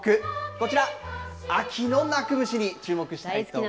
こちら、秋の鳴く虫に注目したいと思います。